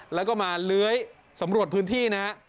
แล้วก็มาเลื้อยสำรวจพื้นที่นะฮะ